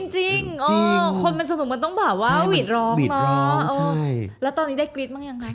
จริงคนมันสนุกมันต้องแบบว่าหวีดร้องเนอะแล้วตอนนี้ได้กรี๊ดบ้างยังไง